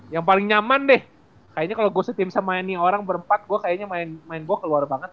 yang paling nyaman deh kayaknya kalo gua setimsa mainin orang berempat gua kayaknya main main gua keluar banget